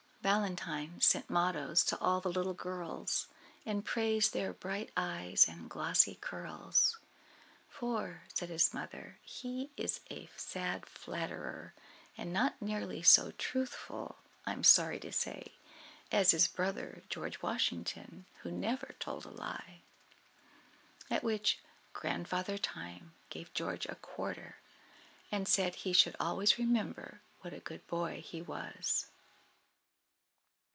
Valentine sent mottoes to all the little girls, and praised their bright eyes and glossy curls. "For," said his mother, "he is a sad flatterer, and not nearly so truthful, I am sorry to say, as his brother, George Washington, who never told a lie." At which Grandfather Time gave George a quarter, and said he should always remember what a good boy he was.